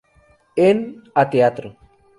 En: "A Teatro.